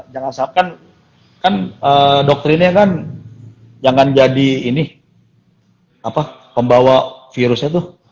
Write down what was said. jangan sampai kan doktrinnya kan jangan jadi ini pembawa virusnya tuh